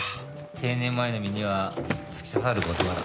定年前の身には突き刺さる言葉だ。